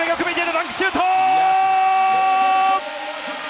ダンクシュート！